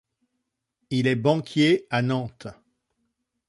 Il est banquier à Nantes.